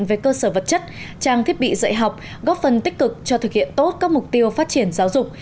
về cơ sở vật chất trang thiết bị dạy học góp phần tích cực cho thực hiện tốt các mục tiêu phát triển giáo dục